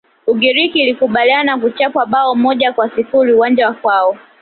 ugiriki ilikubalia kuchapwa bao moja kwa sifuri uwanjani kwao